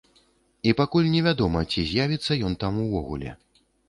І пакуль невядома, ці з'явіцца ён там увогуле.